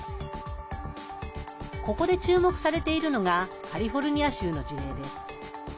ここで注目されているのがカリフォルニア州の事例です。